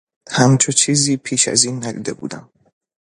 همچو چیزی پبش از این ندیده بودم